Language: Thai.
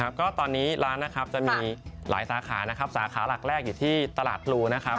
วันไหนบ้างจะมีหลายสาขาสาขาหลักแรกอยู่ที่ตลาดพลู